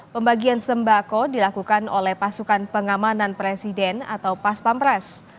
pembagian sembako dilakukan oleh pasukan pengamanan presiden atau pas pampres